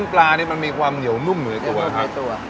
เส้นปลาน้ำมันมีความเหนียวนุ่มอยู่ในตัวครับครับเลี่ยวนุ่มในตัว